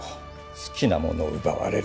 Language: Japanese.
好きなものを奪われる気持ち。